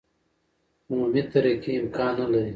عمومي ترقي امکان نه لري.